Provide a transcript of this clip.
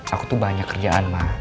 aku tuh banyak kerjaan mah